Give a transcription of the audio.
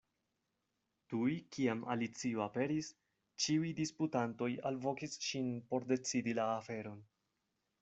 Tuj kiam Alicio aperis, ĉiuj disputantoj alvokis ŝin por decidi la aferon.